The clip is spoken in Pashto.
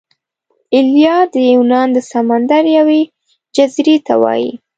ایلیا د یونان د سمندر یوې جزیرې ته وايي.